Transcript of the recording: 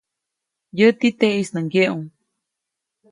Yäti, teʼis nä ŋgyeʼu.